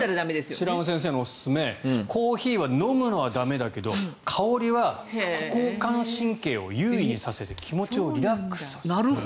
白濱先生のおすすめコーヒーは飲むのは駄目だけど香りは副交感神経を優位にさせて気持ちをリラックスさせる。